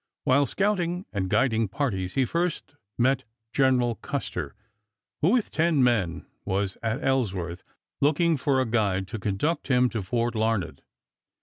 While scouting and guiding parties he first met General Custer who with ten men was at Ellsworth, looking for a guide to conduct him to Fort Larned.